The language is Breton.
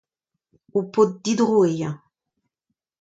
Ur paotr didro eo eñ.